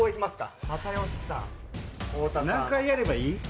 何回やればいい？